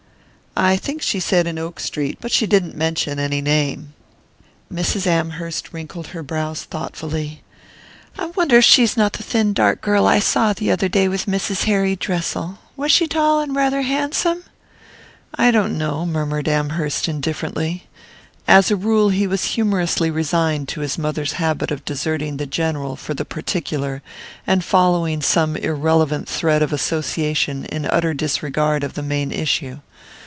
"I think she said in Oak Street but she didn't mention any name." Mrs. Amherst wrinkled her brows thoughtfully. "I wonder if she's not the thin dark girl I saw the other day with Mrs. Harry Dressel. Was she tall and rather handsome?" "I don't know," murmured Amherst indifferently. As a rule he was humorously resigned to his mother's habit of deserting the general for the particular, and following some irrelevant thread of association in utter disregard of the main issue.